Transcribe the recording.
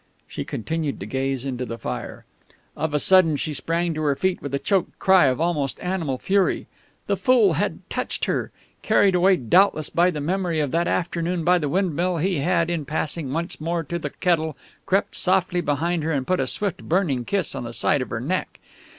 She continued to gaze into the fire. Of a sudden she sprang to her feet with a choked cry of almost animal fury. The fool had touched her. Carried away doubtless by the memory of that afternoon by the windmill, he had, in passing once more to the kettle, crept softly behind her and put a swift burning kiss on the side of her neck.